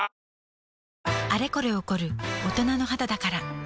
あれこれ起こる大人の肌だから